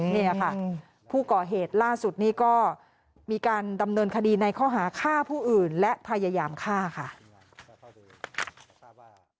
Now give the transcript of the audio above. นี่ค่ะผู้ก่อเหตุล่าสุดนี้ก็มีการดำเนินคดีในข้อหาฆ่าผู้อื่นและพยายามฆ่าค่ะ